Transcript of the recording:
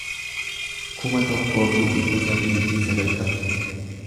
kuma tokkoo fi dhibba sadii fi sagaltama